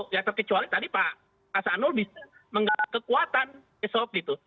ya terkecuali tadi pak hasanul bisa menggali kekuatan besok gitu